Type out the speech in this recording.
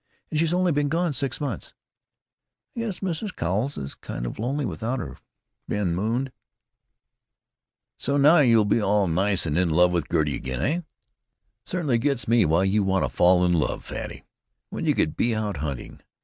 And she's only been gone six months." "I guess Mrs. Cowles is kind of lonely without her," Ben mooned. "So now you'll be all nice and in love with Gertie again, heh? It certainly gets me why you want to fall in love, Fatty, when you could go hunting."